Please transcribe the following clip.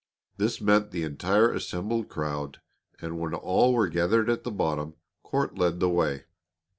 This meant the entire assembled crowd, and when all were gathered at the bottom, Court led the way.